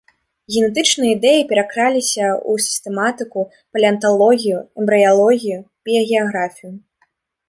Генетычныя ідэі пракраліся ў сістэматыку, палеанталогію, эмбрыялогію, біягеаграфію.